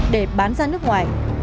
để bán ra nước ngoài